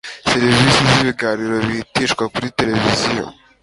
serivisi z ibiganiro bihitishwa kuri televiziyo